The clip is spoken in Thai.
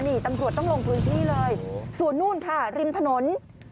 นี่ตำรวจต้องลงพื้นที่เลยส่วนนู่นค่ะริมถนน